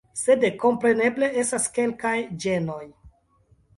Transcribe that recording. Sed kompreneble estas kelkaj ĝenoj.